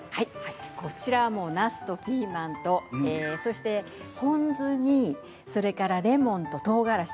こちらはなすとピーマンとそしてポン酢にレモンととうがらし。